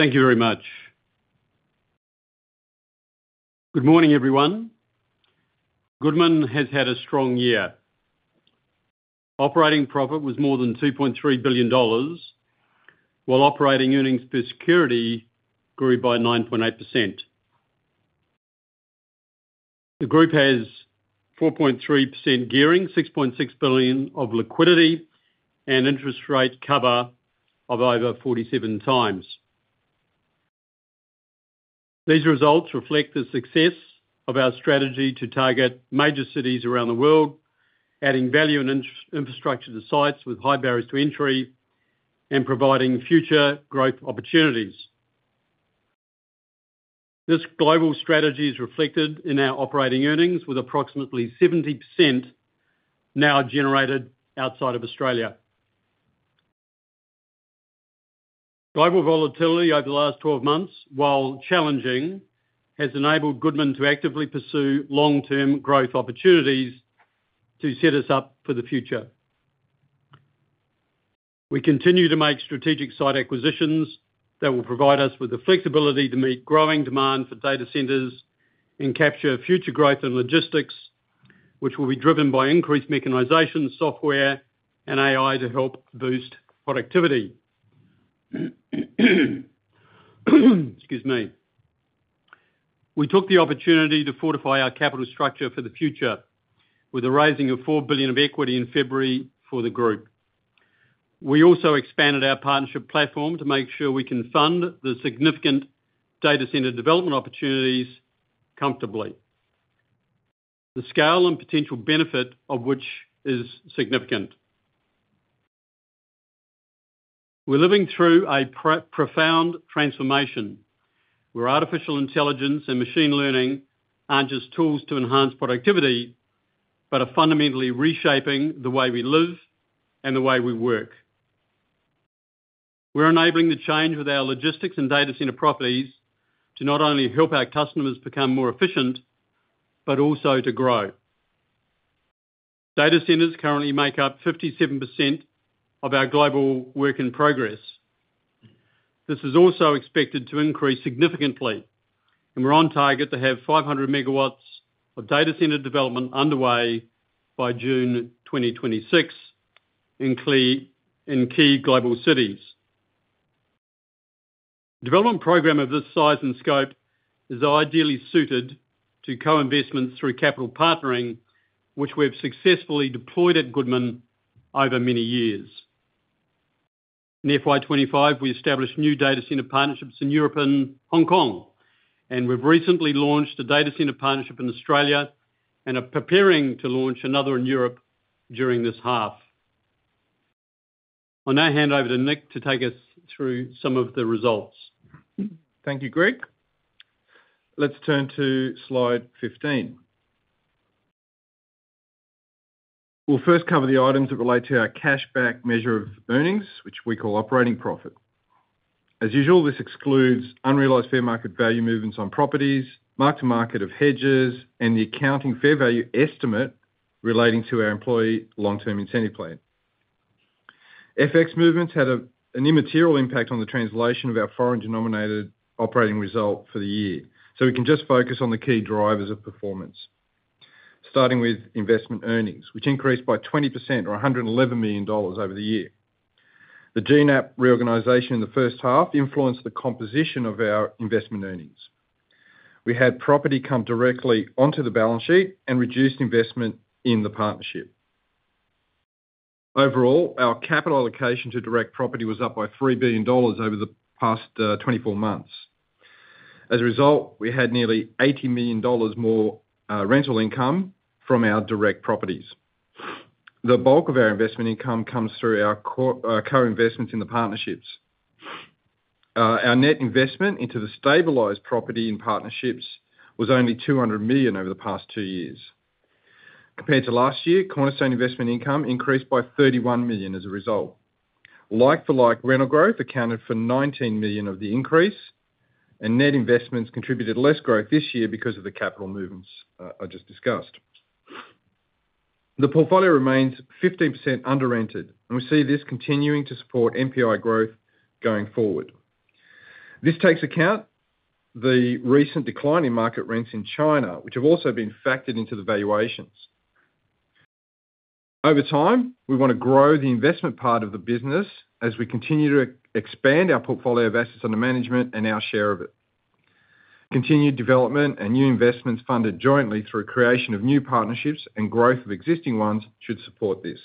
Thank you very much. Good morning, everyone. Goodman has had a strong year. Operating profit was more than 2.3 billion dollars, while operating earnings per security grew by 9.8%. The group has 4.3% gearing, 6.6 billion of liquidity, and interest rate cover of over 47x. These results reflect the success of our strategy to target major cities around the world, adding value and infrastructure to sites with high barriers to entry and providing future growth opportunities. This global strategy is reflected in our operating earnings, with approximately 70% now generated outside of Australia. Global volatility over the last 12 months, while challenging, has enabled Goodman to actively pursue long-term growth opportunities to set us up for the future. We continue to make strategic site acquisitions that will provide us with the flexibility to meet growing demand for data centers and capture future growth in logistics, which will be driven by increased mechanization, software, and AI to help boost productivity. We took the opportunity to fortify our capital structure for the future, with a raising of 4 billion of equity in February for the group. We also expanded our partnership platform to make sure we can fund the significant data center development opportunities comfortably. The scale and potential benefit of which is significant. We're living through a profound transformation where artificial intelligence and machine learning aren't just tools to enhance productivity, but are fundamentally reshaping the way we live and the way we work. We're enabling the change with our logistics and data center properties to not only help our customers become more efficient, but also to grow. Data centers currently make up 57% of our global work in progress. This is also expected to increase significantly, and we're on target to have 500 MW of data center development underway by June 2026 in key global cities. The development program of this size and scope is ideally suited to co-investments through capital partnering, which we've successfully deployed at Goodman over many years. In FY 2025, we established new data center partnerships in Europe and Hong Kong, and we've recently launched a data center partnership in Australia and are preparing to launch another in Europe during this half. I'll now hand over to Nick to take us through some of the results. Thank you, Greg. Let's turn to slide 15. We'll first cover the items that relate to our cashback measure of earnings, which we call operating profit. As usual, this excludes unrealized fair market value movements on properties, mark-to-market of hedges, and the accounting fair value estimate relating to our employee long-term incentive plan. FX movements had an immaterial impact on the translation of our foreign denominated operating result for the year, so we can just focus on the key drivers of performance. Starting with investment earnings, which increased by 20% or 111 million dollars over the year. The GNAP reorganization in the first half influenced the composition of our investment earnings. We had property come directly onto the balance sheet and reduced investment in the partnership. Overall, our capital allocation to direct property was up by 3 billion dollars over the past 24 months. As a result, we had nearly 80 million dollars more rental income from our direct properties. The bulk of our investment income comes through our co-investments in the partnerships. Our net investment into the stabilized property and partnerships was only 200 million over the past two years. Compared to last year, cornerstone investment income increased by 31 million as a result. Like-for-like rental growth accounted for 19 million of the increase, and net investments contributed less growth this year because of the capital movements I just discussed. The portfolio remains 15% under-rented, and we see this continuing to support MPI growth going forward. This takes account of the recent decline in market rents in China, which have also been factored into the valuations. Over time, we want to grow the investment part of the business as we continue to expand our portfolio of assets under management and our share of it. Continued development and new investments funded jointly through creation of new partnerships and growth of existing ones should support this.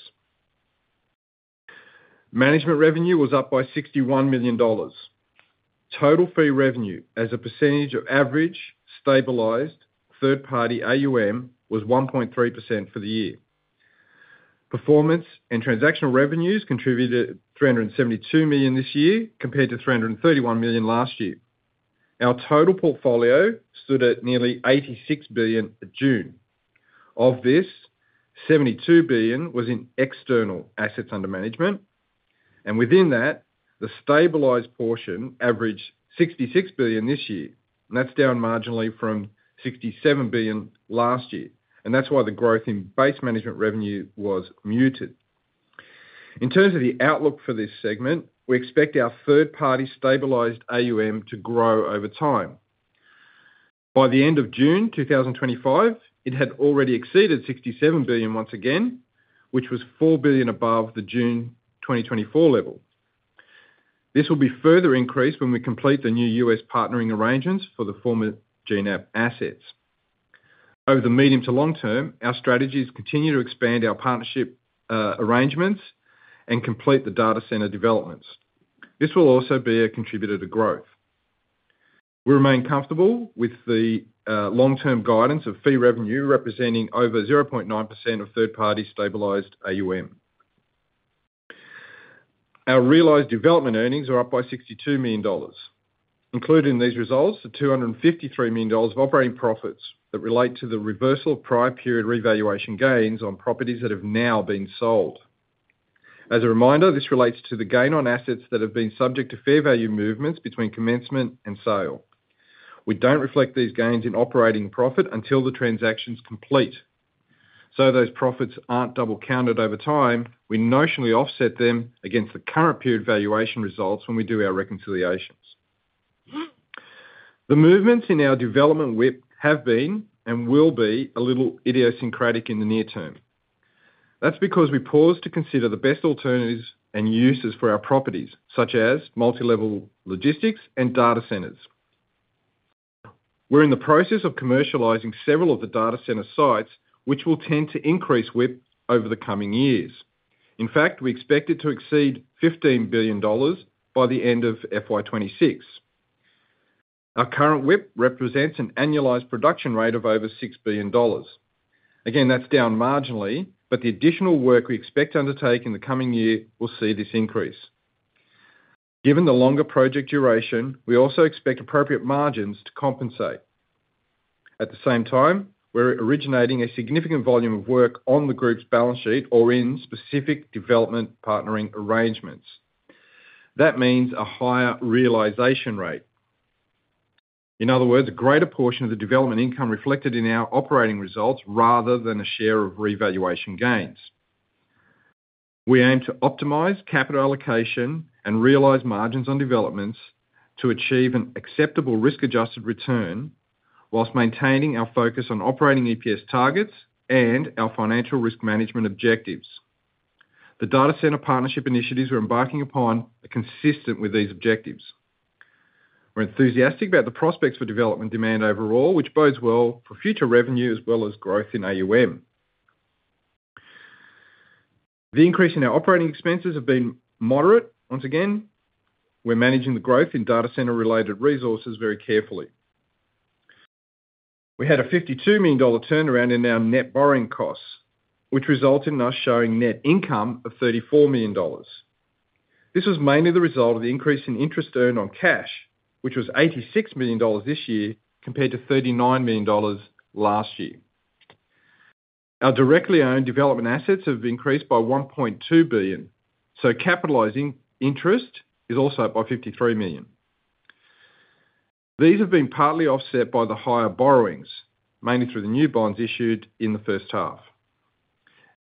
Management revenue was up by 61 million dollars. Total fee revenue, as a percentage of average stabilized third-party AUM, was 1.3% for the year. Performance and transactional revenues contributed AUD 372 million this year compared to AUD 331 million last year. Our total portfolio stood at nearly AUD 86 billion in June. Of this, AUD 72 billion was in external assets under management, and within that, the stabilized portion averaged 66 billion this year. That's down marginally from 67 billion last year, and that's why the growth in base management revenue was muted. In terms of the outlook for this segment, we expect our third-party stabilized AUM to grow over time. By the end of June 2025, it had already exceeded 67 billion once again, which was 4 billion above the June 2024 level. This will be further increased when we complete the new U.S. partnering arrangements for the former GNAP assets. Over the medium to long term, our strategies continue to expand our partnership arrangements and complete the data center developments. This will also be a contributor to growth. We remain comfortable with the long-term guidance of fee revenue representing over 0.9% of third-party stabilized AUM. Our realized development earnings are up by 62 million dollars. Included in these results are 253 million dollars of operating profits that relate to the reversal of prior period revaluation gains on properties that have now been sold. As a reminder, this relates to the gain on assets that have been subject to fair value movements between commencement and sale. We don't reflect these gains in operating profit until the transaction is complete. So those profits aren't double counted over time, we notionally offset them against the current period valuation results when we do our reconciliations. The movements in our development work in progress have been and will be a little idiosyncratic in the near term. That's because we pause to consider the best alternatives and uses for our properties, such as multilevel logistics and data centers. We're in the process of commercializing several of the data center sites, which will tend to increase work in progress over the coming years. In fact, we expect it to exceed 15 billion dollars by the end of FY 2026. Our current work in progress represents an annualized production rate of over 6 billion dollars. Again, that's down marginally, but the additional work we expect to undertake in the coming year will see this increase. Given the longer project duration, we also expect appropriate margins to compensate. At the same time, we're originating a significant volume of work on the group's balance sheet or in specific development partnering arrangements. That means a higher realization rate. In other words, a greater portion of the development income reflected in our operating results rather than a share of revaluation gains. We aim to optimize capital allocation and realize margins on developments to achieve an acceptable risk-adjusted return whilst maintaining our focus on operating EPS targets and our financial risk management objectives. The data center partnership initiatives we're embarking upon are consistent with these objectives. We're enthusiastic about the prospects for development demand overall, which bodes well for future revenue as well as growth in AUM. The increase in our operating expenses has been moderate once again. We're managing the growth in data center-related resources very carefully. We had a 52 million dollar turnaround in our net borrowing costs, which resulted in us showing net income of 34 million dollars. This was mainly the result of the increase in interest earned on cash, which was 86 million dollars this year compared to 39 million dollars last year. Our directly owned development assets have increased by 1.2 billion, so capitalizing interest is also up by 53 million. These have been partly offset by the higher borrowings, mainly through the new bonds issued in the first half.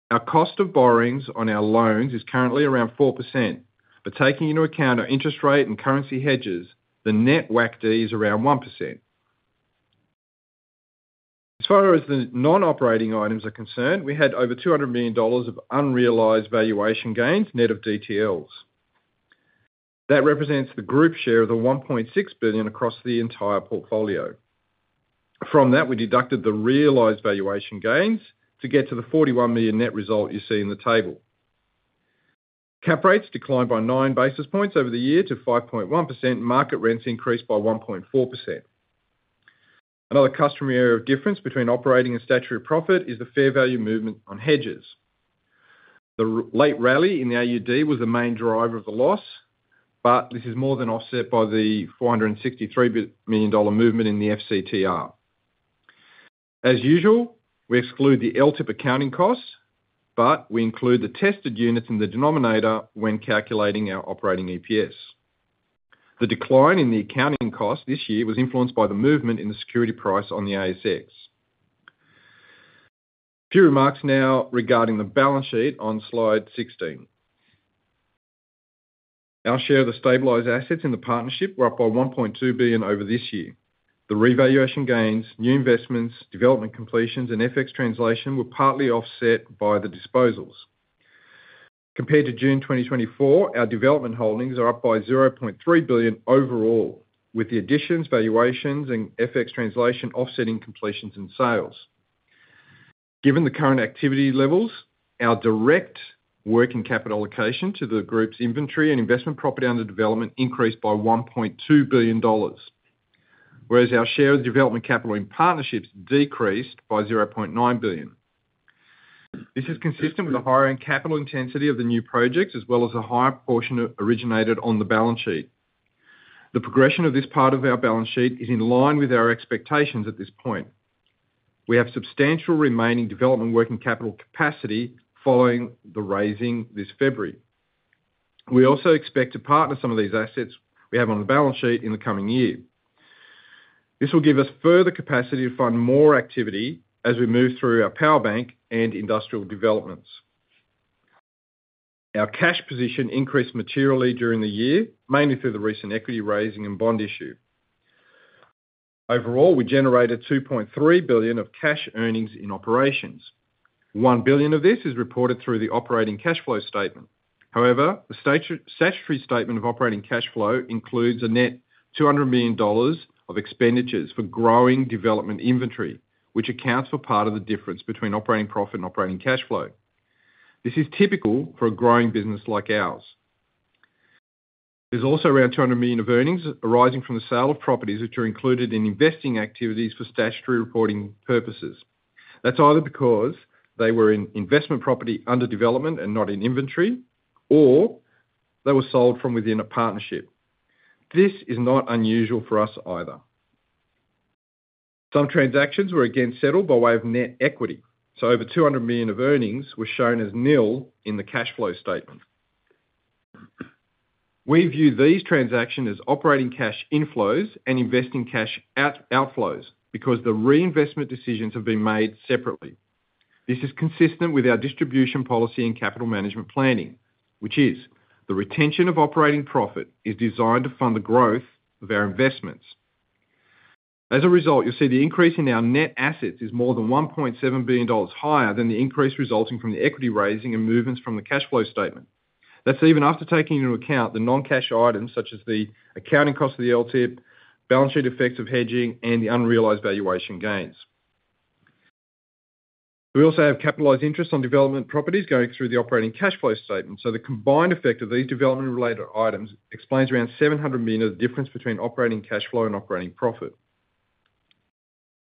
Our cost of borrowings on our loans is currently around 4%, but taking into account our interest rate and currency hedges, the net WACD is around 1%. As far as the non-operating items are concerned, we had over 200 million dollars of unrealized valuation gains net of DTLs. That represents the group share of the 1.6 billion across the entire portfolio. From that, we deducted the realized valuation gains to get to the 41 million net result you see in the table. Cap rates declined by 9 basis points over the year to 5.1%, and market rents increased by 1.4%. Another customary area of difference between operating and statutory profit is the fair value movement on hedges. The late rally in the AUD was the main driver of the loss, but this is more than offset by the 463 million dollar movement in the FCTR. As usual, we exclude the LTIP accounting costs, but we include the tested units in the denominator when calculating our operating EPS. The decline in the accounting costs this year was influenced by the movement in the security price on the ASX. A few remarks now regarding the balance sheet on slide 16. Our share of the stabilized assets in the partnership were up by 1.2 billion over this year. The revaluation gains, new investments, development completions, and FX translation were partly offset by the disposals. Compared to June 2024, our development holdings are up by 0.3 billion overall, with the additions, valuations, and FX translation offsetting completions and sales. Given the current activity levels, our direct working capital allocation to the group's inventory and investment property under development increased by 1.2 billion dollars, whereas our share of the development capital in partnerships decreased by 0.9 billion. This is consistent with the higher-end capital intensity of the new projects, as well as a higher portion originated on the balance sheet. The progression of this part of our balance sheet is in line with our expectations at this point. We have substantial remaining development working capital capacity following the raising this February. We also expect to partner some of these assets we have on the balance sheet in the coming year. This will give us further capacity to fund more activity as we move through our power bank and industrial developments. Our cash position increased materially during the year, mainly through the recent equity raising and bond issue. Overall, we generated 2.3 billion of cash earnings in operations. 1 billion of this is reported through the operating cash flow statement. However, the statutory statement of operating cash flow includes a net 200 million dollars of expenditures for growing development inventory, which accounts for part of the difference between operating profit and operating cash flow. This is typical for a growing business like ours. There's also around 200 million of earnings arising from the sale of properties which are included in investing activities for statutory reporting purposes. That's either because they were in investment property under development and not in inventory, or they were sold from within a partnership. This is not unusual for us either. Some transactions were again settled by way of net equity, so over 200 million of earnings were shown as nil in the cash flow statement. We view these transactions as operating cash inflows and investing cash outflows because the reinvestment decisions have been made separately. This is consistent with our distribution policy and capital management planning, which is the retention of operating profit is designed to fund the growth of our investments. As a result, you'll see the increase in our net assets is more than 1.7 billion dollars higher than the increase resulting from the equity raising and movements from the cash flow statement. That's even after taking into account the non-cash items such as the accounting cost of the LTIP, balance sheet effects of hedging, and the unrealized valuation gains. We also have capitalized interest on development properties going through the operating cash flow statement, so the combined effect of these development-related items explains around 700 million of the difference between operating cash flow and operating profit.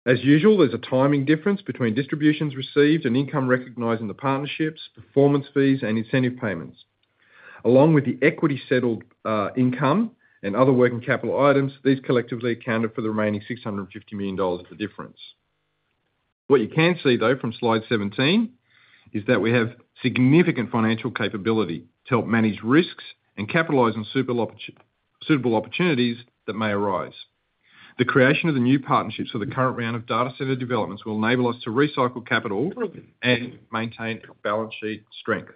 As usual, there's a timing difference between distributions received and income recognized in the partnerships, performance fees, and incentive payments. Along with the equity settled income and other working capital items, these collectively accounted for the remaining 650 million dollars for difference. What you can see, though, from slide 17 is that we have significant financial capability to help manage risks and capitalize on suitable opportunities that may arise. The creation of the new partnerships for the current round of data center developments will enable us to recycle capital and maintain balance sheet strength.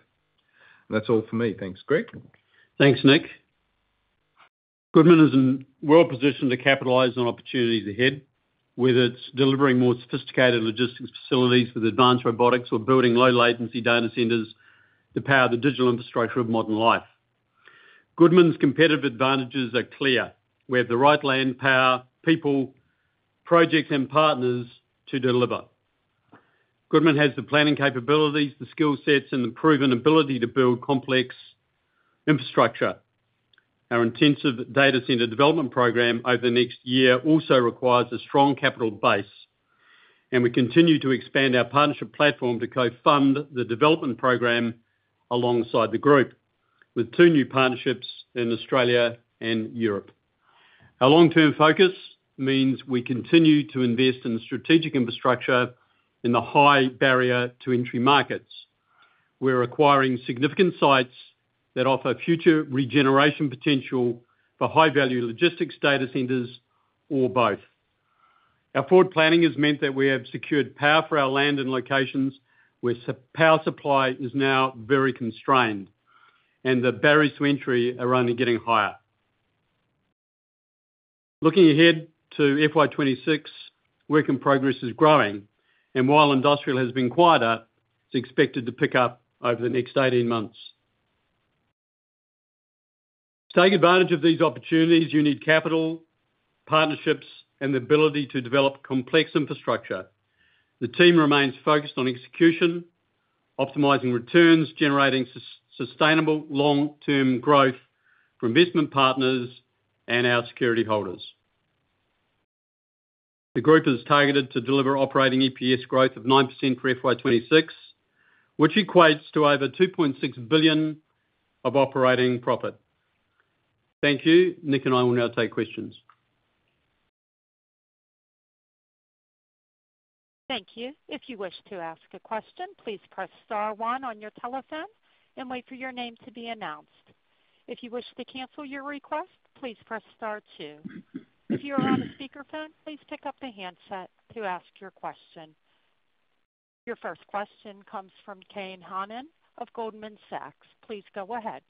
That's all for me. Thanks, Greg. Thanks, Nick. Goodman Group is in a world position to capitalize on opportunities ahead, whether it's delivering more sophisticated logistics facilities with advanced robotics or building low-latency data centers to power the digital infrastructure of modern life. Goodman Group's competitive advantages are clear. We have the right land, power, people, projects, and partners to deliver. Goodman Group has the planning capabilities, the skill sets, and the proven ability to build complex infrastructure. Our intensive data center development program over the next year also requires a strong capital base, and we continue to expand our partnership platform to co-fund the development program alongside the group with two new partnerships in Australia and Europe. Our long-term focus means we continue to invest in the strategic infrastructure in the high barrier to entry markets. We're acquiring significant sites that offer future regeneration potential for high-value logistics, data centers, or both. Our forward planning has meant that we have secured power for our land and locations where power supply is now very constrained, and the barriers to entry are only getting higher. Looking ahead to FY 2026, work in progress is growing, and while industrial has been quieter, it's expected to pick up over the next 18 months. To take advantage of these opportunities, you need capital, partnerships, and the ability to develop complex infrastructure. The team remains focused on execution, optimizing returns, generating sustainable long-term growth for investment partners and our security holders. The group is targeted to deliver operating EPS growth of 9% for FY 2026, which equates to over 2.6 billion of operating profit. Thank you. Nick and I will now take questions. Thank you. If you wish to ask a question, please press star one on your telephone and wait for your name to be announced. If you wish to cancel your request, please press star two. If you are on a speakerphone, please pick up the handset to ask your question. Your first question comes from Kane Hannan of Goldman Sachs. Please go ahead.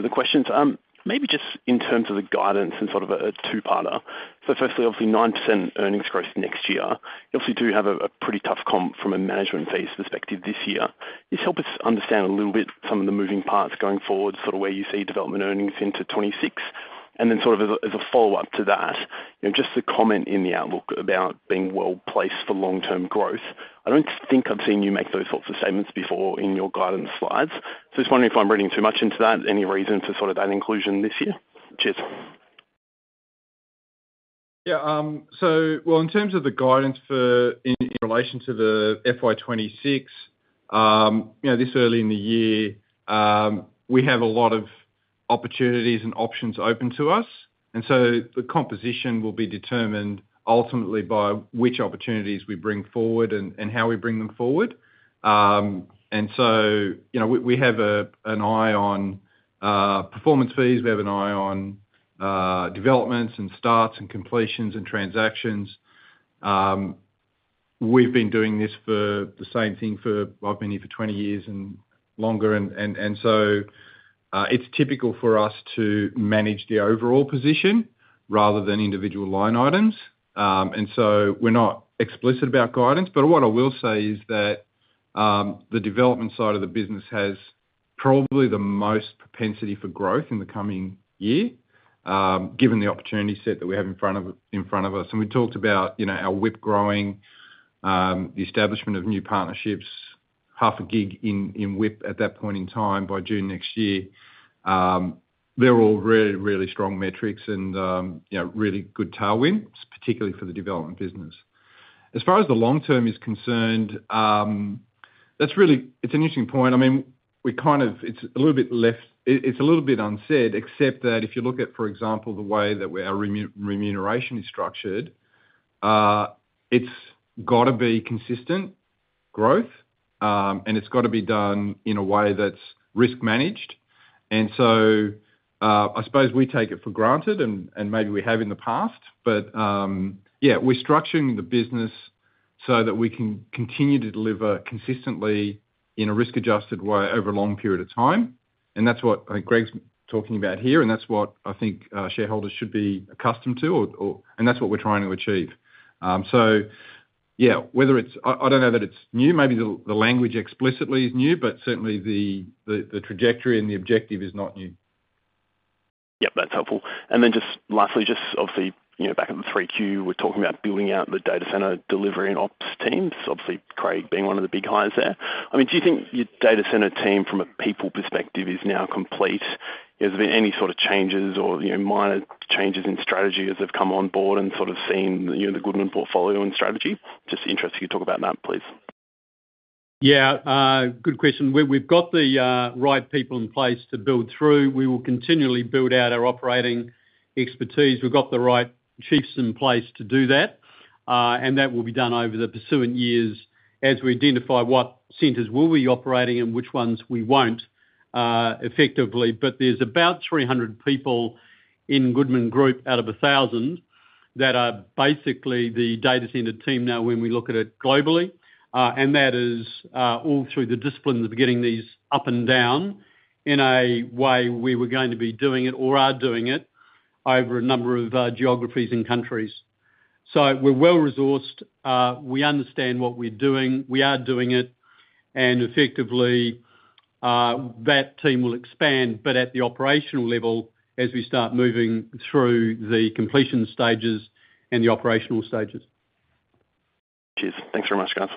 The questions, maybe just in terms of the guidance and sort of a two-parter. Firstly, obviously 9% earnings growth next year. You obviously do have a pretty tough comp from a management fees perspective this year. Just help us understand a little bit some of the moving parts going forward, sort of where you see development earnings into 2026. As a follow-up to that, just the comment in the outlook about being well-placed for long-term growth. I don't think I've seen you make those sorts of statements before in your guidance slides. I was wondering if I'm reading too much into that, any reason for sort of that inclusion this year? Cheers. Yeah, in terms of the guidance for in relation to the FY 2026, this early in the year, we have a lot of opportunities and options open to us. The composition will be determined ultimately by which opportunities we bring forward and how we bring them forward. We have an eye on performance fees, developments, starts, completions, and transactions. We've been doing this for the same thing for, I've been here for 20 years and longer. It's typical for us to manage the overall position rather than individual line items. We're not explicit about guidance, but what I will say is that the development side of the business has probably the most propensity for growth in the coming year, given the opportunity set that we have in front of us. We talked about our work in progress growing, the establishment of new partnerships, half a gig in work in progress at that point in time by June next year. They're all really, really strong metrics and really good tailwinds, particularly for the development business. As far as the long term is concerned, that's really, it's an interesting point. I mean, it's a little bit left, it's a little bit unsaid, except that if you look at, for example, the way that our remuneration is structured, it's got to be consistent growth, and it's got to be done in a way that's risk managed. I suppose we take it for granted, and maybe we have in the past, but we're structuring the business so that we can continue to deliver consistently in a risk-adjusted way over a long period of time. That's what I think Greg's talking about here, and that's what I think shareholders should be accustomed to, and that's what we're trying to achieve. Whether it's, I don't know that it's new, maybe the language explicitly is new, but certainly the trajectory and the objective is not new. That's helpful. Just lastly, back at the 3Q, we're talking about building out the data center delivery and ops teams, obviously Craig being one of the big hires there. Do you think your data center team from a people perspective is now complete? Has there been any sort of changes or minor changes in strategy as they've come on board and seen the Goodman Group portfolio and strategy? Just interested for you to talk about that, please. Good question. We've got the right people in place to build through. We will continually build out our operating expertise. We've got the right chiefs in place to do that. That will be done over the pursuant years as we identify what centers will be operating and which ones we won't effectively. There's about 300 people in Goodman Group out of 1,000 that are basically the data center team now when we look at it globally. That is all through the discipline of getting these up and down in a way where we're going to be doing it or are doing it over a number of geographies and countries. We're well-resourced. We understand what we're doing. We are doing it. Effectively, that team will expand at the operational level as we start moving through the completion stages and the operational stages. Cheers. Thanks very much, guys.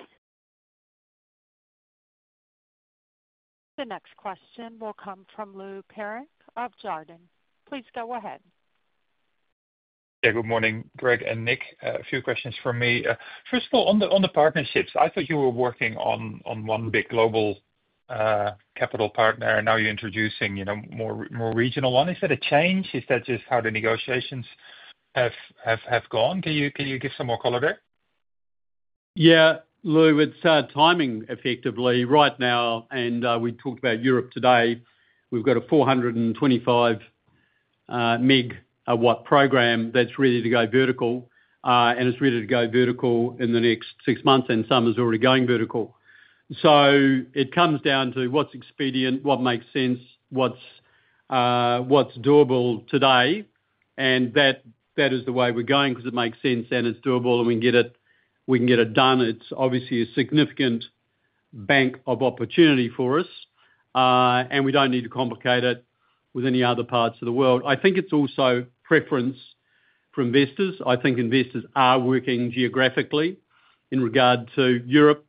The next question will come from Lou Pirenc of Jarden. Please go ahead. Good morning, Greg and Nick. A few questions from me. First of all, on the partnerships, I thought you were working on one big global capital partner, and now you're introducing more regional ones. Is that a change? Is that just how the negotiations have gone? Can you give some more color there? Yeah, Lou, it's timing effectively right now. We talked about Europe today. We've got a 425 MW program that's ready to go vertical, and it's ready to go vertical in the next six months, and some is already going vertical. It comes down to what's expedient, what makes sense, what's doable today, and that is the way we're going because it makes sense and it's doable, and we can get it done. It's obviously a significant bank of opportunity for us, and we don't need to complicate it with any other parts of the world. I think it's also preference for investors. I think investors are working geographically in regard to Europe.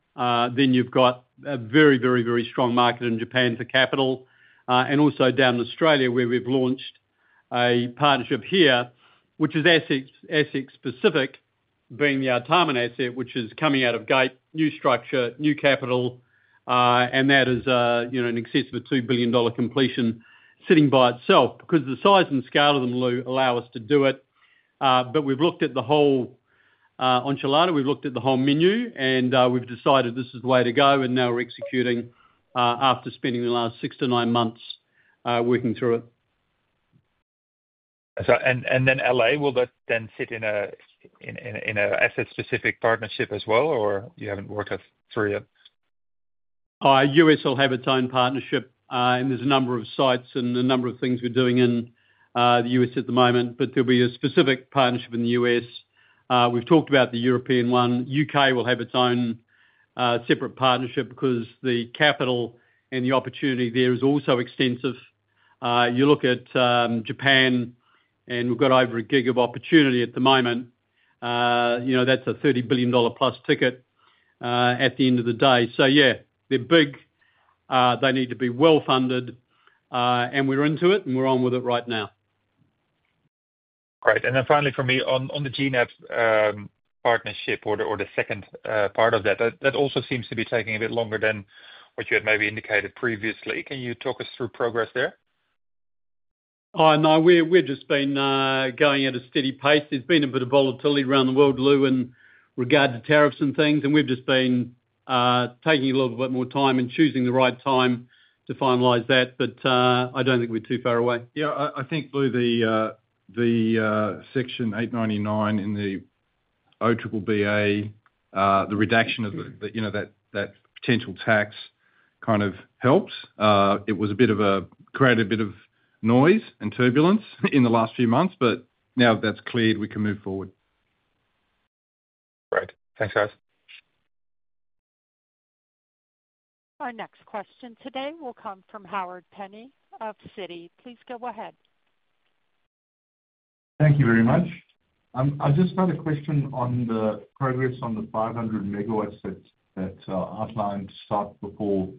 You've got a very, very, very strong market in Japan for capital, and also down in Australia where we've launched a partnership here, which is asset-specific, being the Artarmon net asset, which is coming out of gate, new structure, new capital, and that is, you know, in excess of 2 billion dollar completion sitting by itself because the size and scale of them allow us to do it. We've looked at the whole enchilada, we've looked at the whole menu, and we've decided this is the way to go, and now we're executing after spending the last six to nine months working through it. Will that then sit in an asset-specific partnership as well, or you haven't worked out three yet? U.S. will have its own partnership, and there's a number of sites and a number of things we're doing in the U.S. at the moment, but there'll be a specific partnership in the U.S. We've talked about the European one. The U.K. will have its own separate partnership because the capital and the opportunity there is also extensive. You look at Japan, and we've got over a gig of opportunity at the moment. That's a 30 billion dollar+ ticket at the end of the day. They're big. They need to be well-funded, and we're into it, and we're on with it right now. Great. Finally, on the GNAP partnership or the second part of that, that also seems to be taking a bit longer than what you had maybe indicated previously. Can you talk us through progress there? No, we've just been going at a steady pace. There's been a bit of volatility around the world, Lou, in regard to tariffs and things, and we've just been taking a little bit more time and choosing the right time to finalize that. I don't think we're too far away. Yeah, I think, Lou, the section 899 in the OBBBA, the redaction of that, you know, that potential tax kind of helps. It created a bit of noise and turbulence in the last few months, but now that's cleared, we can move forward. Great. Thanks, guys. Our next question today will come from Howard Penny of Citi. Please go ahead. Thank you very much. I've just got a question on the progress on the 500 MW that are targeted and set before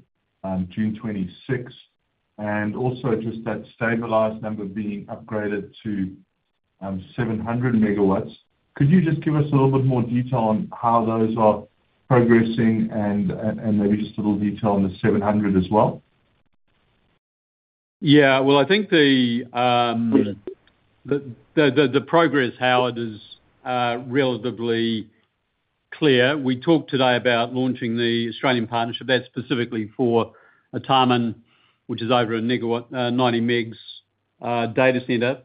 June 26, and also just that stabilized number being upgraded to 700 MW. Could you just give us a little bit more detail on how those are progressing and maybe just a little detail on the 700 as well? I think the progress, Howard, is relatively clear. We talked today about launching the Australian partnership. That's specifically for Artarmon, which is over a 90 MW data center.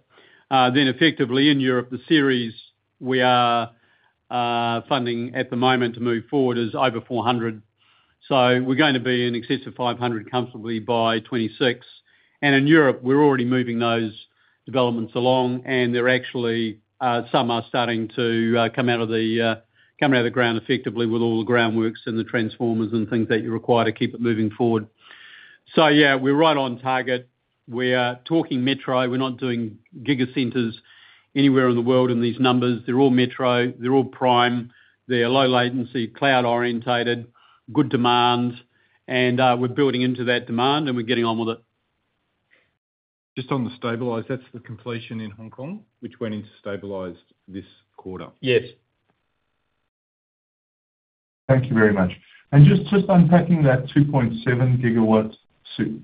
Effectively in Europe, the series we are funding at the moment to move forward is over 400. We're going to be in excess of 500 comfortably by 2026. In Europe, we're already moving those developments along, and they're actually, some are starting to come out of the ground effectively with all the groundworks and the transformers and things that you require to keep it moving forward. We're right on target. We are talking metro. We're not doing gigacenters anywhere in the world in these numbers. They're all metro. They're all prime. They're low latency, cloud-orientated, good demand, and we're building into that demand, and we're getting on with it. Just on the stabilized, that's the completion in Hong Kong, which went into stabilized this quarter. Yes. Thank you very much. Just unpacking that 2.7 GW,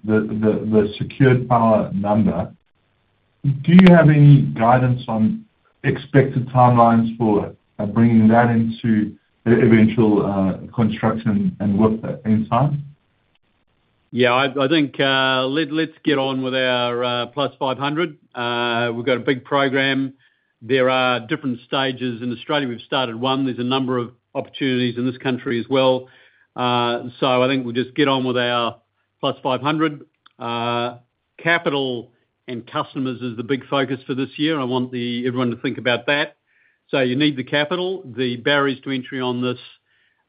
the secured power number, do you have any guidance on expected timelines for bringing that into eventual construction and work at any time? Yeah, I think let's get on with our +500. We've got a big program. There are different stages in Australia. We've started one. There's a number of opportunities in this country as well. I think we'll just get on with our +500. Capital and customers is the big focus for this year. I want everyone to think about that. You need the capital. The barriers to entry on this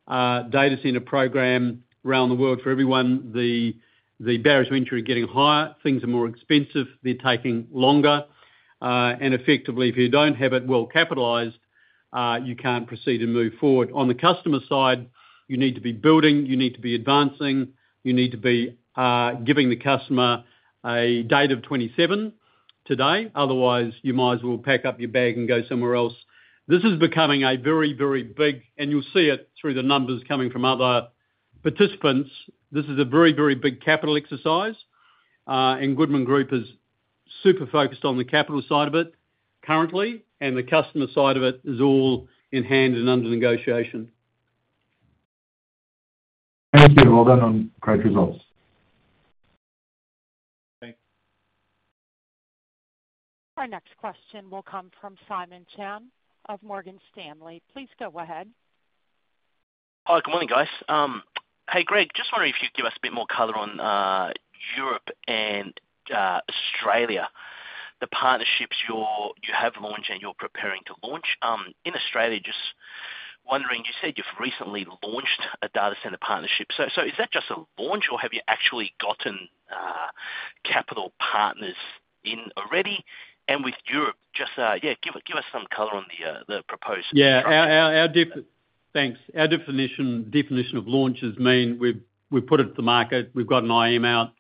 data center program around the world for everyone, the barriers to entry are getting higher. Things are more expensive. They're taking longer. Effectively, if you don't have it well capitalized, you can't proceed and move forward. On the customer side, you need to be building. You need to be advancing. You need to be giving the customer a date of 27 today. Otherwise, you might as well pack up your bag and go somewhere else. This is becoming a very, very big, and you'll see it through the numbers coming from other participants. This is a very, very big capital exercise. Goodman Group is super focused on the capital side of it currently, and the customer side of it is all in hand and under negotiation. It's been well done on great results. Thank you. Our next question will come from Simon Chan of Morgan Stanley. Please go ahead. Hi, good morning, guys. Hey, Greg, just wondering if you could give us a bit more color on Europe and Australia, the partnerships you have launched and you're preparing to launch. In Australia, just wondering, you said you've recently launched a data center partnership. Is that just a launch, or have you actually gotten capital partners in already? With Europe, just give us some color on the proposed. Yeah, our definition of launch has meant we've put it to the market. We've got an IM out,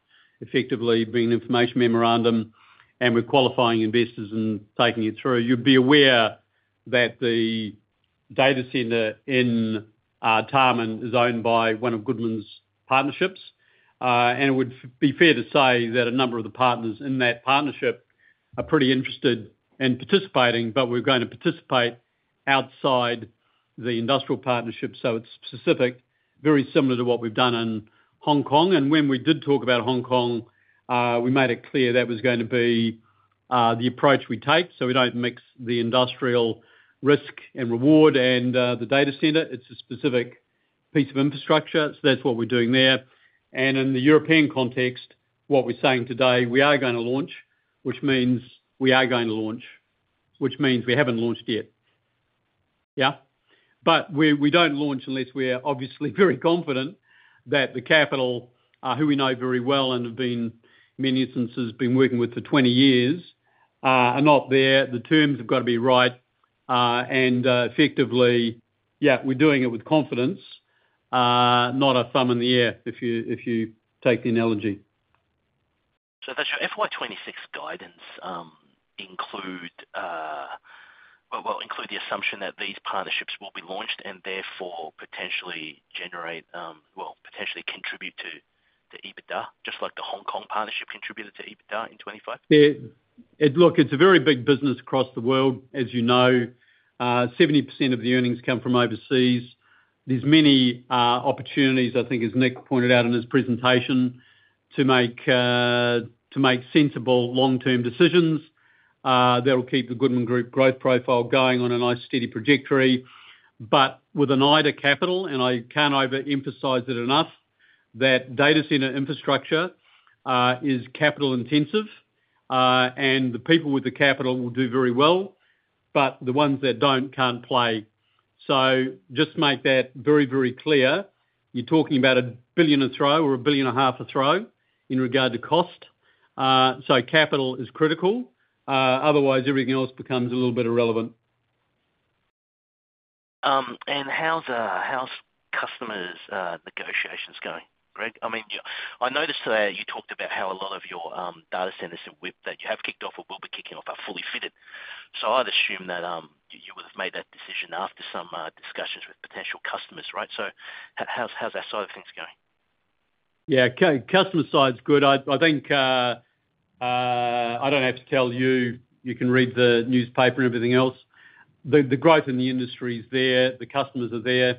effectively bringing the information memorandum, and we're qualifying investors and taking it through. You'd be aware that the data center in Artarmon is owned by one of Goodman Group's partnerships. It would be fair to say that a number of the partners in that partnership are pretty interested in participating, but we're going to participate outside the industrial partnership. It's specific, very similar to what we've done in Hong Kong. When we did talk about Hong Kong, we made it clear that was going to be the approach we take. We don't mix the industrial risk and reward and the data center. It's a specific piece of infrastructure. That's what we're doing there. In the European context, what we're saying today, we are going to launch, which means we are going to launch, which means we haven't launched yet. We don't launch unless we are obviously very confident that the capital, who we know very well and have in many instances been working with for 20 years, are not there. The terms have got to be right. Effectively, we're doing it with confidence, not a thumb in the air, if you take the analogy. Does your FY 2026 guidance include the assumption that these partnerships will be launched and therefore potentially contribute to the EBITDA, just like the Hong Kong partnership contributed to EBITDA in 2025? Yeah. Look, it's a very big business across the world. As you know, 70% of the earnings come from overseas. There are many opportunities, I think, as Nick pointed out in his presentation, to make sensible long-term decisions that will keep the Goodman Group growth profile going on a nice steady trajectory. With an eye to capital, and I can't overemphasize it enough, that data center infrastructure is capital intensive, and the people with the capital will do very well. The ones that don't can't play. Just make that very, very clear. You're talking about 1 billion a throw or 1.5 billion a throw in regard to cost. Capital is critical. Otherwise, everything else becomes a little bit irrelevant. How's customers' negotiations going, Greg? I noticed that you talked about how a lot of your data centers and work in progress that you have kicked off or will be kicking off are fully fitted. I'd assume that you would have made that decision after some discussions with potential customers, right? How's that side of things going? Yeah, customer side's good. I think I don't have to tell you. You can read the newspaper and everything else. The growth in the industry is there. The customers are there.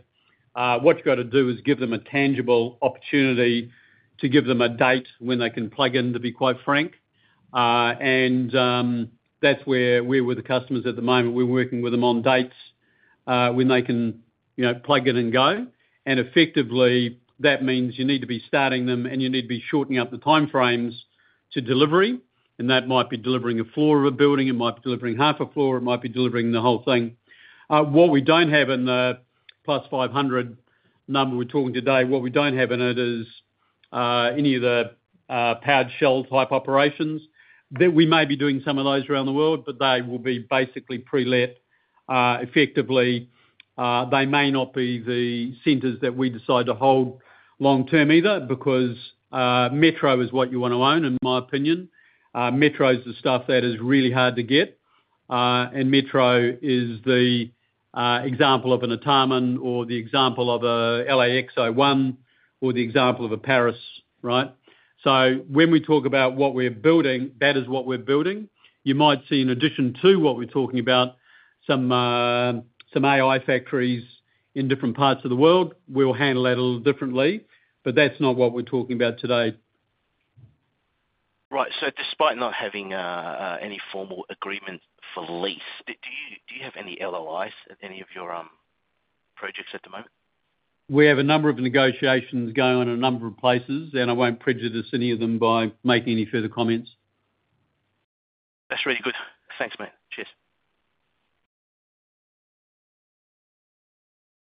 What you've got to do is give them a tangible opportunity to give them a date when they can plug in, to be quite frank. That's where we're with the customers at the moment. We're working with them on dates when they can, you know, plug in and go. Effectively, that means you need to be starting them and you need to be shortening up the timeframes to delivery. That might be delivering a floor of a building, it might be delivering half a floor, it might be delivering the whole thing. What we don't have in the +500 number we're talking today, what we don't have in it is any of the power shell type operations. We may be doing some of those around the world, but they will be basically pre-let. Effectively, they may not be the centers that we decide to hold long-term either because metro is what you want to own, in my opinion. Metro is the stuff that is really hard to get. Metro is the example of an Artarmon or the example of an LAX01 or the example of a Paris, right? When we talk about what we're building, that is what we're building. You might see in addition to what we're talking about, some AI factories in different parts of the world. We'll handle that a little differently, but that's not what we're talking about today. Right. Despite not having any formal agreement for lease, do you have any LLIs at any of your projects at the moment? We have a number of negotiations going on in a number of places, and I won't prejudice any of them by making any further comments. That's really good. Thanks, mate. Cheers.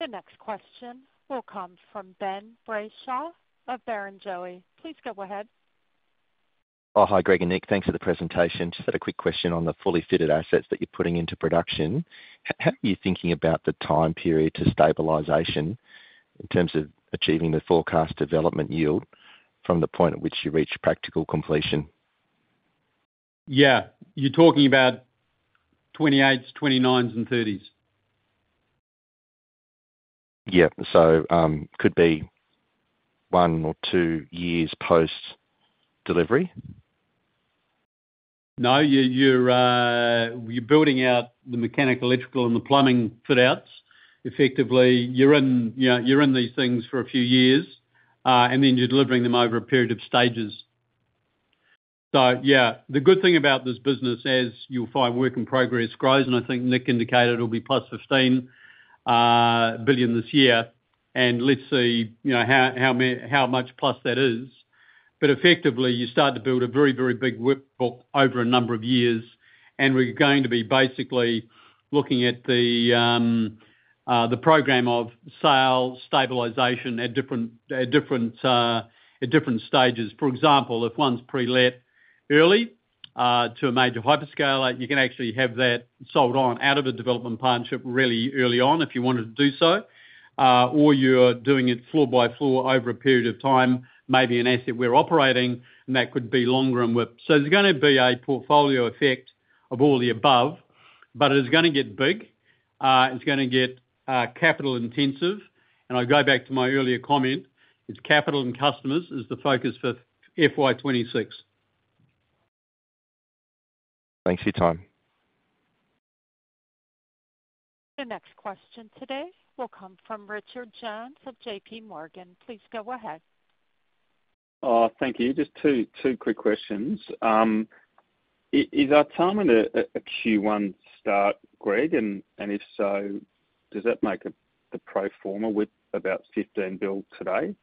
The next question will come from Ben Brayshaw of Barrenjoey. Please go ahead. Oh, hi, Greg and Nick. Thanks for the presentation. Just had a quick question on the fully fitted assets that you're putting into production. How are you thinking about the time period to stabilization in terms of achieving the forecast development yield from the point at which you reach practical completion? Yeah, you're talking about 2028, 2029, and 2030. Yeah, could be one or two years post delivery? No, you're building out the mechanical, electrical, and the plumbing fit-outs. Effectively, you're in these things for a few years, and then you're delivering them over a period of stages. The good thing about this business is you'll find work in progress grows, and I think Nick indicated it'll be +15 billion this year, and let's see how much plus that is. Effectively, you start to build a very, very big workbook over a number of years, and we're going to be basically looking at the program of sales, stabilization at different stages. For example, if one's pre-let early to a major hyperscaler, you can actually have that sold on out of a development partnership really early on if you wanted to do so, or you're doing it floor by floor over a period of time, maybe an asset we're operating, and that could be longer and work in progress. There's going to be a portfolio effect of all the above, but it is going to get big. It's going to get capital intensive, and I go back to my earlier comment. It's capital and customers is the focus for FY 2026. Thanks for your time. The next question today will come from Richard Jones of JPMorgan. Please go ahead. Thank you. Just two quick questions. Is Artarmon a Q1 start, Greg? If so, does that make it the pro forma with about 15 billion today?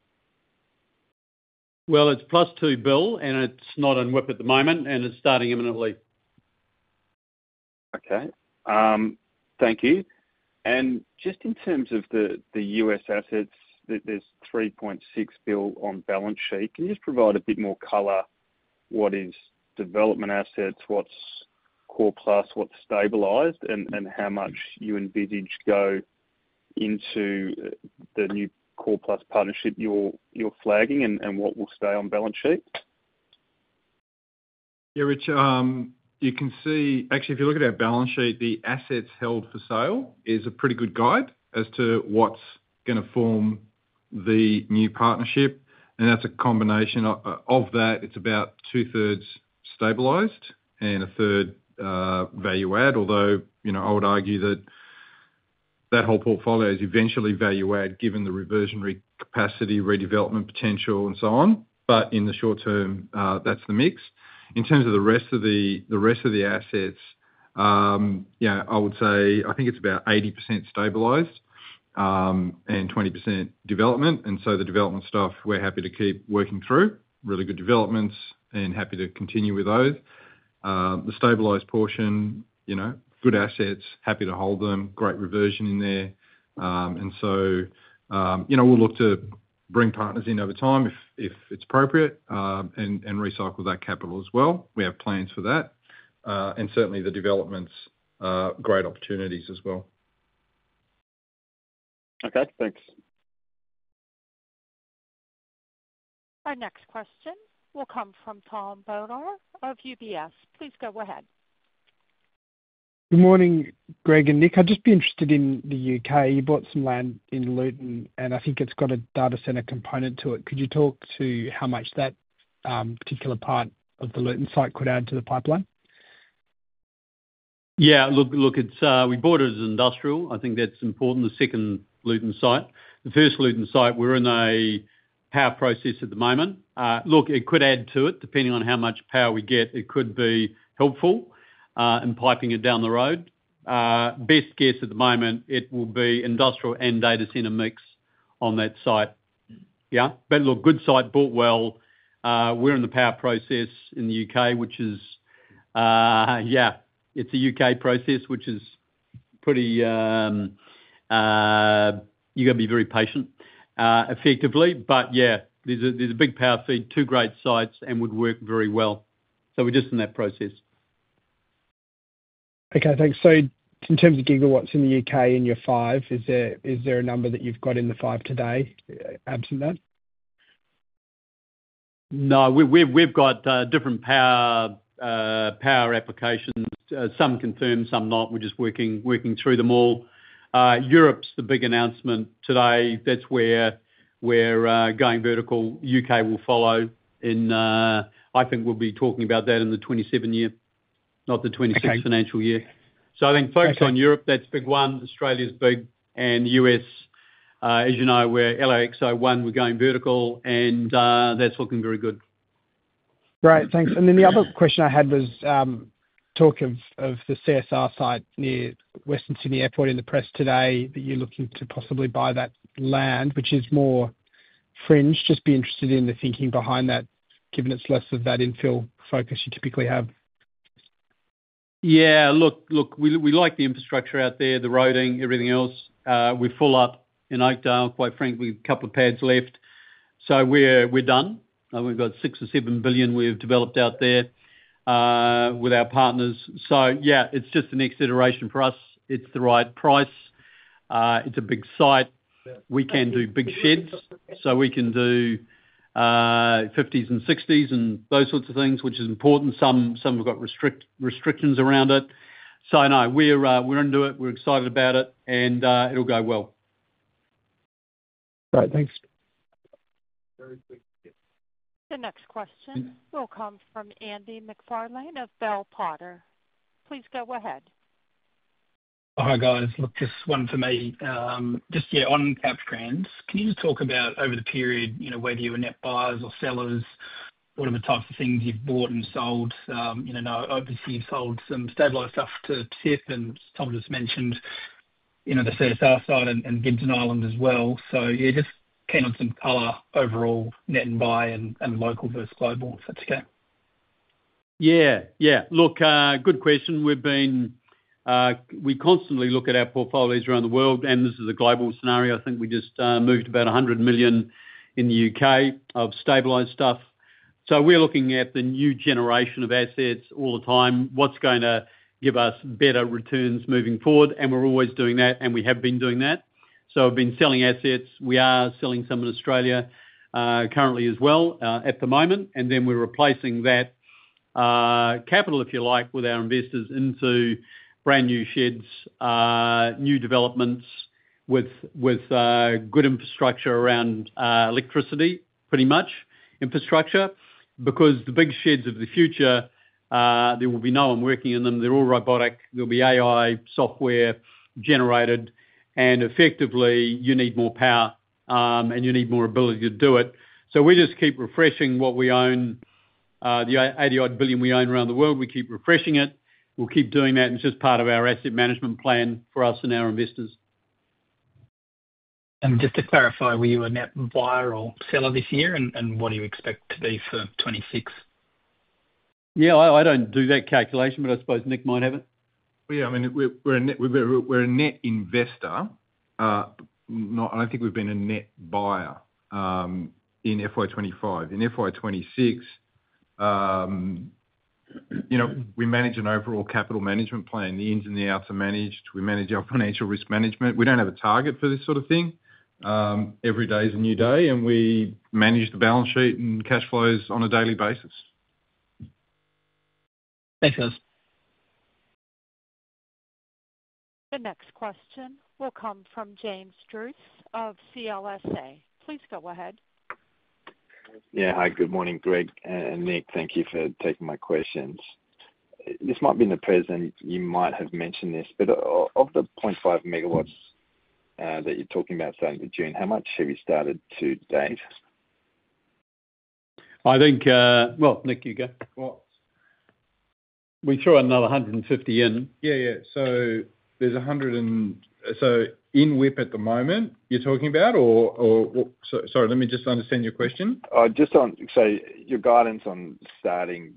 It's +2 billion, and it's not on work in progress at the moment, and it's starting imminently. Okay. Thank you. Just in terms of the U.S. assets, there's 3.6 billion on balance sheet. Can you provide a bit more color? What is development assets, what's core plus, what's stabilized, and how much you envisage going into the new core plus partnership you're flagging, and what will stay on balance sheet? Yeah, Richard, you can see, actually, if you look at our balance sheet, the assets held for sale is a pretty good guide as to what's going to form the new partnership. That's a combination of that. It's about 2/3 stabilized and a third value-add, although I would argue that that whole portfolio is eventually value-add given the reversionary capacity, redevelopment potential, and so on. In the short term, that's the mix. In terms of the rest of the assets, I would say I think it's about 80% stabilized and 20% development. The development stuff, we're happy to keep working through. Really good developments and happy to continue with those. The stabilized portion, good assets, happy to hold them, great reversion in there. We'll look to bring partners in over time if it's appropriate and recycle that capital as well. We have plans for that. Certainly, the developments are great opportunities as well. Okay, thanks. Our next question will come from Tom Bodor of UBS. Please go ahead. Good morning, Greg and Nick. I'd just be interested in the U.K. You bought some land in Luton, and I think it's got a data center component to it. Could you talk to how much that particular part of the Luton site could add to the pipeline? Yeah, look, we bought it as industrial. I think that's important, the second Luton site. The first Luton site, we're in a power process at the moment. It could add to it depending on how much power we get. It could be helpful in piping it down the road. Best guess at the moment, it will be industrial and data center mix on that site. Yeah, but look, good site bought well. We're in the power process in the U.K., which is a U.K. process, which is pretty, you've got to be very patient effectively. There's a big power feed, two great sites, and would work very well. We're just in that process. Okay, thanks. In terms of gigawatts in the U.K. in your five, is there a number that you've got in the five today absent that? No, we've got different power applications. Some confirmed, some not. We're just working through them all. Europe's the big announcement today. That's where we're going vertical. U.K. will follow. I think we'll be talking about that in the 2027 year, not the 2026 financial year. I think focus on Europe, that's big one. Australia's big. The U.S., as you know, we're LAX01, we're going vertical, and that's looking very good. Right, thanks. The other question I had was talk of the CSR site near Western Sydney Airport in the press today that you're looking to possibly buy that land, which is more fringe. Just be interested in the thinking behind that, given it's less of that infill focus you typically have. Yeah, look, we like the infrastructure out there, the roading, everything else. We're full up in Oakdale, quite frankly, a couple of pads left. We're done. We've got 6 billion or 7 billion we've developed out there with our partners. It's just the next iteration for us. It's the right price. It's a big site. We can do big sheds. We can do 50s and 60s and those sorts of things, which is important. Some have got restrictions around it. We're into it. We're excited about it, and it'll go well. Right, thanks. The next question will come from Andy MacFarlane of Bell Potter. Please go ahead. All right, guys, just one for me. On CapTrans, can you just talk about over the period, whether you were net buyers or sellers, what are the types of things you've bought and sold? Obviously, you've sold some stabilized stuff to SIP and someone just mentioned the CSR site and Gibson Island as well. Just keying on some color overall net and buy and local versus global such a game. Yeah, look, good question. We constantly look at our portfolios around the world, and this is a global scenario. I think we just moved about 100 million in the U.K. of stabilized stuff. We're looking at the new generation of assets all the time. What's going to give us better returns moving forward? We're always doing that, and we have been doing that. We've been selling assets. We are selling some in Australia currently as well at the moment. We're replacing that capital, if you like, with our investors into brand new sheds, new developments with good infrastructure around electricity, pretty much infrastructure, because the big sheds of the future, there will be no one working in them. They're all robotic. There'll be AI software generated. Effectively, you need more power, and you need more ability to do it. We just keep refreshing what we own, the 80 billion we own around the world. We keep refreshing it. We'll keep doing that. It's just part of our asset management plan for us and our investors. To clarify, were you a net buyer or seller this year, and what do you expect to be for 2026? Yeah, I don't do that calculation, but I suppose Nick might have it. I mean, we're a net investor. I don't think we've been a net buyer in FY 2025. In FY 2026, you know, we manage an overall capital management plan. The ins and the outs are managed. We manage our financial risk management. We don't have a target for this sort of thing. Every day is a new day, and we manage the balance sheet and cash flows on a daily basis. Thanks, guys. The next question will come from James Druce of CLSA. Please go ahead. Yeah, hi, good morning, Greg and Nick. Thank you for taking my questions. This might be in the present. You might have mentioned this, but of the 0.5 MW that you're talking about, say, in June, how much have you started to date? I think, Nick, you go. We throw another 150 million in. Yeah, yeah, so there's 100 million or so in work in progress at the moment. You're talking about, or what? Sorry, let me just understand your question. Just on your guidance on starting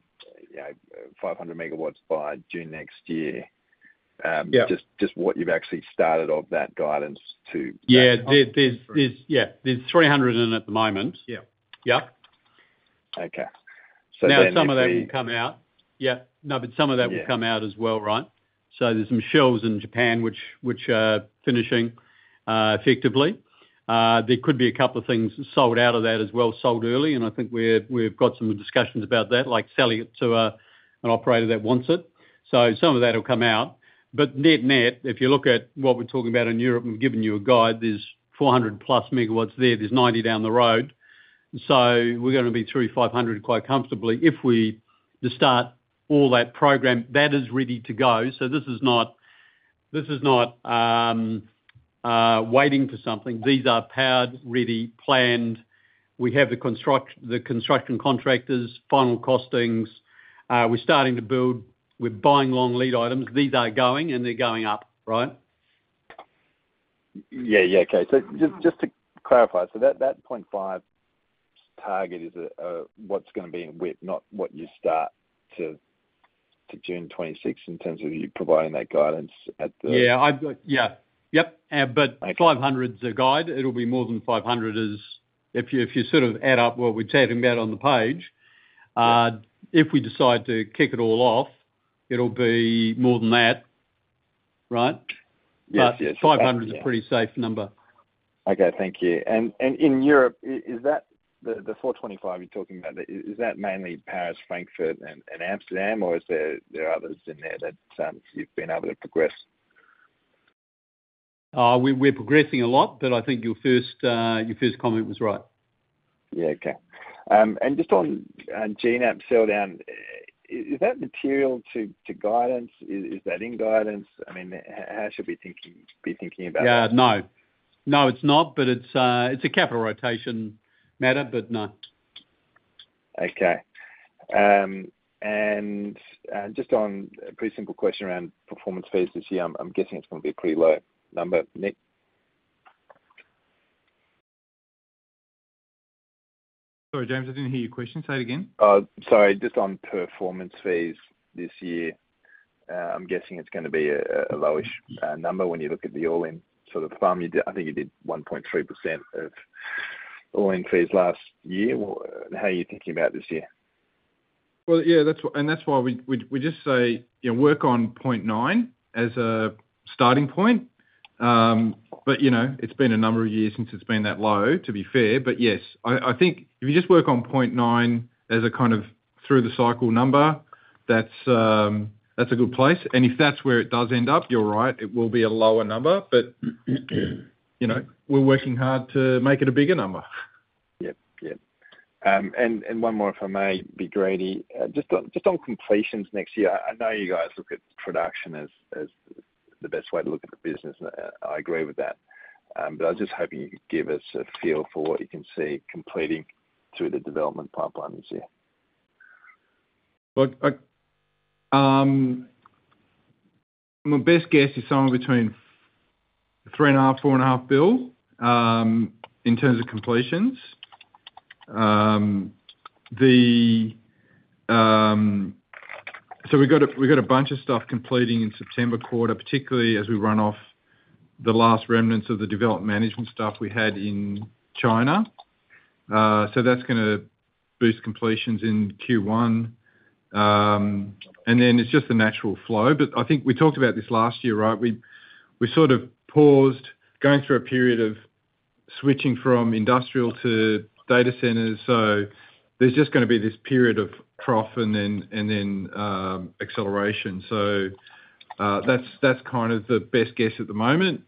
500 MW by June next year, what you've actually started off that guidance too. Yeah, there's 300 in at the moment. Yeah. Okay. Now, some of that will come out. No, but some of that will come out as well, right? There are some shelves in Japan, which are finishing effectively. There could be a couple of things sold out of that as well, sold early, and I think we've got some discussions about that, like selling it to an operator that wants it. Some of that will come out. Net net, if you look at what we're talking about in Europe, and we've given you a guide, there's 400+ MW there. There's 90 down the road. We're going to be through 500 quite comfortably if we just start all that program. That is ready to go. This is not waiting for something. These are powered, ready, planned. We have the construction contractors, final costings. We're starting to build. We're buying long lead items. These are going, and they're going up, right? Yeah, yeah, okay. Just to clarify, that 0.5 target is what's going to be in work in progress, not what you start to June 2026 in terms of you providing that guidance at the. Yeah, 500's a guide. It'll be more than 500 if you sort of add up what we're chatting about on the page. If we decide to kick it all off, it'll be more than that, right? 500's a pretty safe number. Okay, thank you. In Europe, is that the 425 you're talking about? Is that mainly Paris, Frankfurt, and Amsterdam, or are there others in there that you've been able to progress? We're progressing a lot. I think your first comment was right. Okay. Just on GNAP sell down, is that material to guidance? Is that in guidance? I mean, how should we be thinking about it? No, it's not, but it's a capital rotation matter, but no. Okay. Just on a pretty simple question around performance fees this year, I'm guessing it's going to be a pretty low number, Nick. Sorry, James, I didn't hear your question. Say it again. Sorry, just on performance fees this year, I'm guessing it's going to be a lowish number when you look at the all-in sort of form. I think you did 1.3% of all-in fees last year. How are you thinking about this year? That's why we just say, you know, work on 0.9 as a starting point. You know, it's been a number of years since it's been that low, to be fair. I think if you just work on 0.9 as a kind of through-the-cycle number, that's a good place. If that's where it does end up, you're right, it will be a lower number. You know, we're working hard to make it a bigger number. Yeah, yeah. One more, if I may, be greedy. Just on completions next year, I know you guys look at production as the best way to look at the business, and I agree with that. I'm just hoping you could give us a feel for what you can see completing through the development pipeline this year. My best guess is somewhere between 3.5 billion, 4.5 billion in terms of completions. We've got a bunch of stuff completing in the September quarter, particularly as we run off the last remnants of the development management stuff we had in China. That's going to boost completions in Q1, and then it's just the natural flow. I think we talked about this last year, right? We sort of paused going through a period of switching from industrial to data centers. There is just going to be this period of trough and then acceleration. That's kind of the best guess at the moment.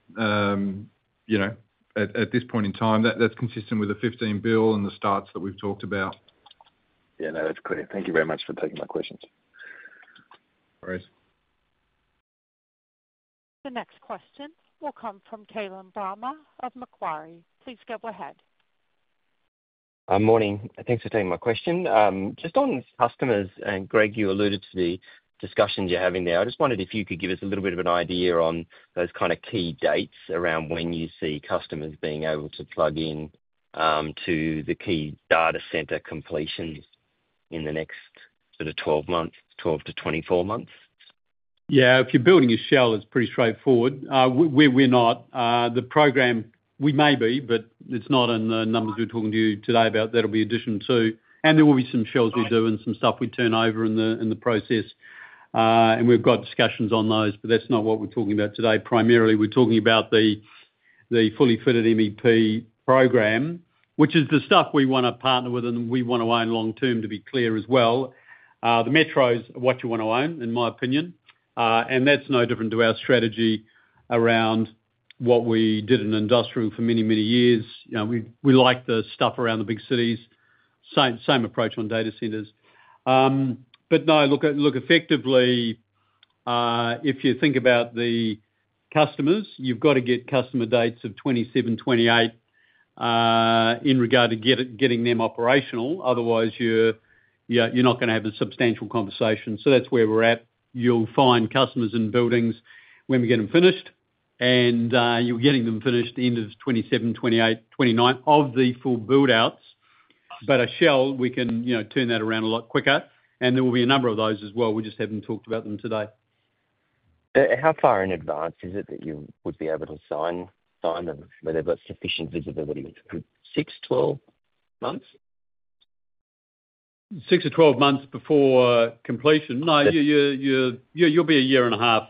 At this point in time, that's consistent with the 15 billion and the starts that we've talked about. Yeah, no, that's clear. Thank you very much for taking my questions. No worries. The next question will come from Caitlin Brammer of Macquarie. Please go ahead. Morning. Thanks for taking my question. Just on customers and Greg, you alluded to the discussions you're having there. I just wondered if you could give us a little bit of an idea on those kind of key dates around when you see customers being able to plug into the key data center completions in the next 12 months, 12 to 24 months. Yeah, if you're building a shell, it's pretty straightforward. We're not. The program, we may be, but it's not in the numbers we're talking to you today about. That'll be addition too. There will be some shells we do and some stuff we turn over in the process. We've got discussions on those, but that's not what we're talking about today. Primarily, we're talking about the fully fitted MEP program, which is the stuff we want to partner with and we want to own long-term, to be clear as well. The metros are what you want to own, in my opinion. That's no different to our strategy around what we did in industrial for many, many years. We like the stuff around the big cities. Same approach on data centers. No, look, effectively, if you think about the customers, you've got to get customer dates of 2027, 2028 in regard to getting them operational. Otherwise, you're not going to have a substantial conversation. That's where we're at. You'll find customers in buildings when we get them finished, and you're getting them finished the end of 2027, 2028, 2029 of the full build-outs. A shell, we can turn that around a lot quicker. There will be a number of those as well. We just haven't talked about them today. How far in advance is it that you would be able to sign them where they've got sufficient visibility? Six, 12 months? Six or 12 months before completion. No, you'll be a year and a half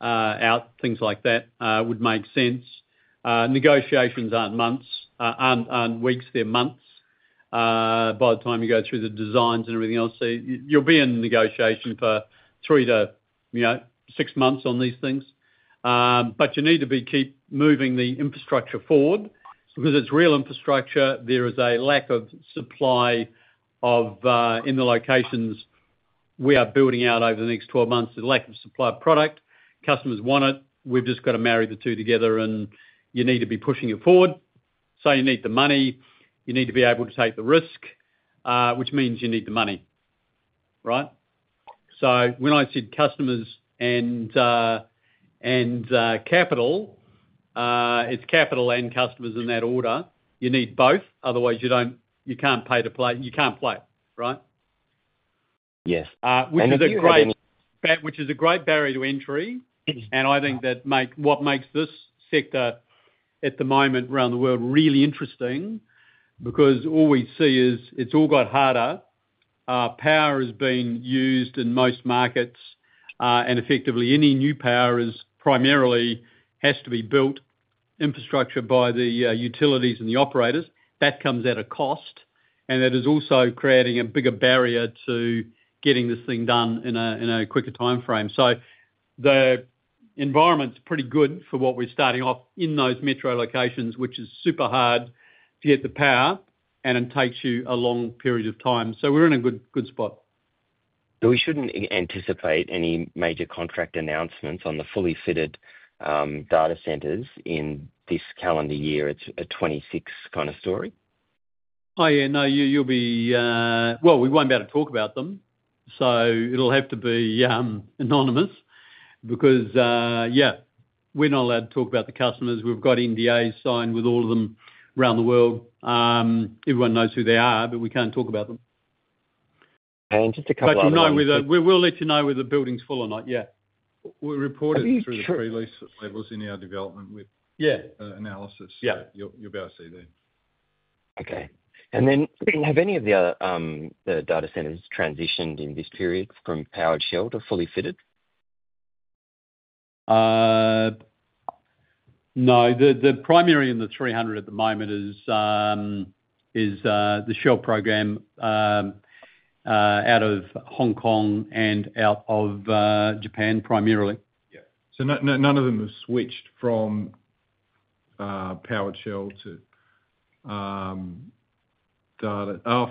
out. Things like that would make sense. Negotiations aren't months and weeks. They're months by the time you go through the designs and everything else. You'll be in negotiation for three to six months on these things. You need to keep moving the infrastructure forward because it's real infrastructure. There is a lack of supply in the locations we are building out over the next 12 months. There's a lack of supply of product. Customers want it. We've just got to marry the two together, and you need to be pushing it forward. You need the money. You need to be able to take the risk, which means you need the money, right? When I said customers and capital, it's capital and customers in that order. You need both. Otherwise, you can't pay to play. You can't play, right? Yes. Which is a great barrier to entry. I think that what makes this sector at the moment around the world really interesting is because all we see is it's all got harder. Power has been used in most markets, and effectively, any new power primarily has to be built infrastructure by the utilities and the operators. That comes at a cost, and it is also creating a bigger barrier to getting this thing done in a quicker timeframe. The environment's pretty good for what we're starting off in those metro locations, which is super hard to get the power, and it takes you a long period of time. We're in a good spot. We shouldn't anticipate any major contract announcements on the fully fitted data centers in this calendar year. It's a 2026 kind of story. Yeah, you'll be, we won't be able to talk about them. It'll have to be anonymous because we're not allowed to talk about the customers. We've got NDAs signed with all of them around the world. Everyone knows who they are, but we can't talk about them. Just a couple of. We will let you know whether the building's full or not. Yeah. We're reporting through the very least levels in our development with analysis. You'll be able to see there. Okay. Have any of the data centers transitioned in this period from powered shell to fully fitted? No, the primary in the 300 at the moment is the shell program out of Hong Kong and out of Japan primarily. None of them have switched from powered shell to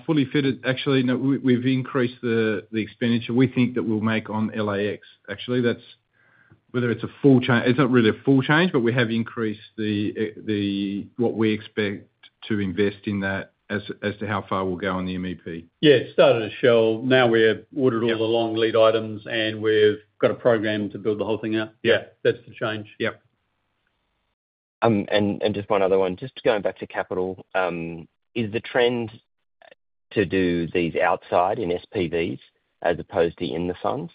fully fitted. Actually, no, we've increased the expenditure we think that we'll make on LAX. Actually, whether it's a full change, it's not really a full change, but we have increased what we expect to invest in that as to how far we'll go on the MEP. Yeah, it started as shell. Now we've ordered all the long lead items, and we've got a program to build the whole thing up. That's the change. Yeah, just one other one, just going back to capital, is the trend to do these outside in SPVs as opposed to in the funds,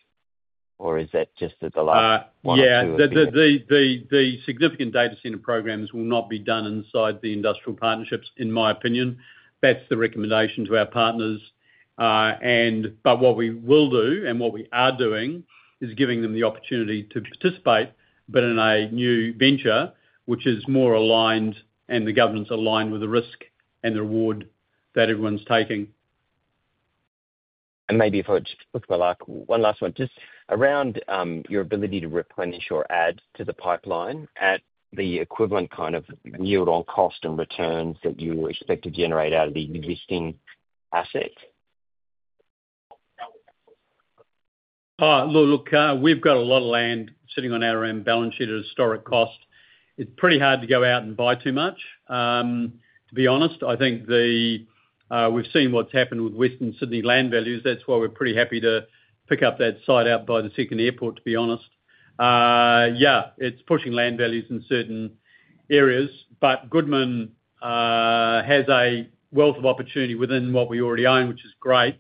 or is that just the luck? The significant data center programs will not be done inside the industrial partnerships, in my opinion. That's the recommendation to our partners. What we will do and what we are doing is giving them the opportunity to participate, but in a new venture, which is more aligned and the governance aligned with the risk and reward that everyone's taking. If I just look at my last one, just around your ability to replenish or add to the pipeline at the equivalent kind of yield on cost and returns that you expect to generate out of the existing asset. Look, we've got a lot of land sitting on our own balance sheet at a historic cost. It's pretty hard to go out and buy too much. To be honest, I think we've seen what's happened with Western Sydney land values. That's why we're pretty happy to pick up that site out by the second airport, to be honest. It's pushing land values in certain areas, but Goodman Group has a wealth of opportunity within what we already own, which is great.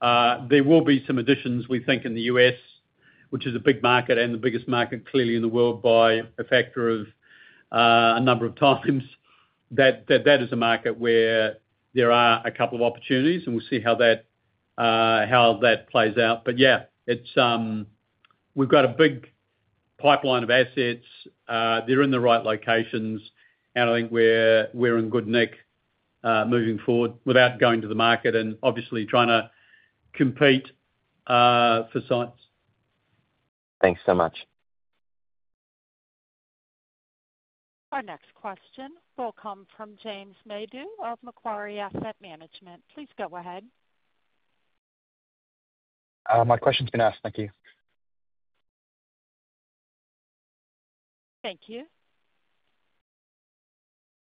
There will be some additions, we think, in the U.S., which is a big market and the biggest market clearly in the world by a factor of a number of times. That is a market where there are a couple of opportunities, and we'll see how that plays out. We've got a big pipeline of assets. They're in the right locations, and I think we're in good nick moving forward without going to the market and obviously trying to compete for sites. Thanks so much. Our next question will come from James Maydew of Macquarie Asset Management. Please go ahead. My question's been asked. Thank you. Thank you.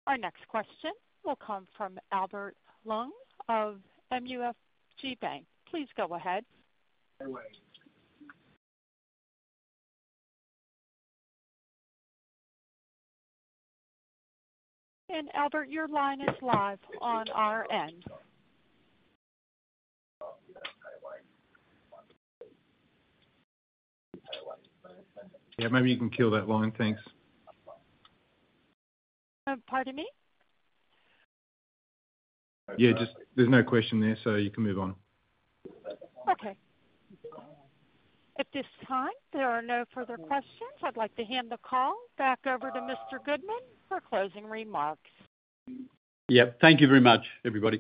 Our next question will come from Albert Leung of MUFG Bank. Please go ahead. Albert, your line is live on our end. Yeah, maybe you can kill that line. Thanks. Pardon me? Yeah, there's no question there, so you can move on. Okay. At this time, there are no further questions. I'd like to hand the call back over to Mr. Goodman for closing remarks. Thank you very much, everybody.